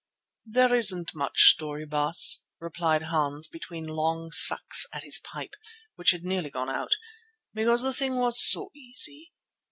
"There isn't much story, Baas," replied Hans between long sucks at his pipe, which had nearly gone out, "because the thing was so easy.